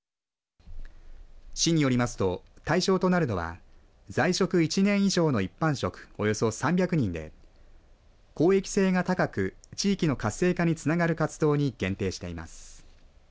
市によりますと対象となるのは在職１年以上の一般職およそ３００人で公益性が高く地域の活性化につながる活動に限定しています。